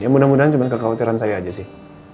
ya mudah mudahan cuma kekhawatiran saya aja sih